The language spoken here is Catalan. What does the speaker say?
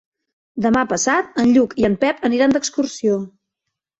Demà passat en Lluc i en Pep aniran d'excursió.